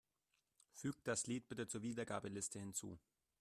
Füg das Lied bitte zur Wiedergabeliste hinzu.